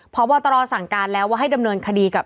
พบตรสั่งการแล้วว่าให้ดำเนินคดีกับ